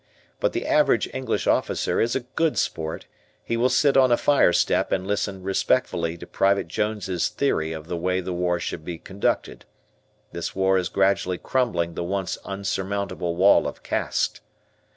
But the average English officer is a good sport, he will sit on a fire step and listen respectfully to Private Jones's theory of the way the war should be conducted. This war is gradually crumbling the once unsurmountable wall of caste.